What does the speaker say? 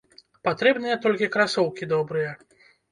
Патрэбныя толькі красоўкі добрыя.